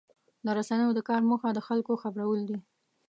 د رسنیو د کار موخه د خلکو خبرول دي.